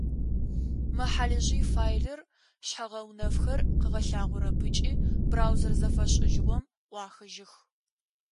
Мы хьалыжъый файлыр шъхьэ-гъэунэфхэр къыгъэлъагъорэп ыкӏи браузэр зэфэшӏыжьыгъом ӏуахыжьых.